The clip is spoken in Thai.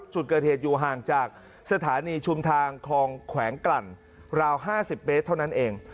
จุดเกิดเหตุอยู่ห่างจากสถานีชุมทางคลองแขวงกลั่นราว๕๐เมตรเท่านั้นเอง